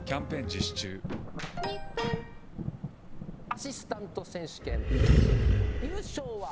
アシスタント選手権優勝は。